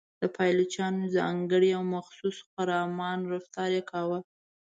د پایلوچانو ځانګړی او مخصوص خرامان رفتار یې کاوه.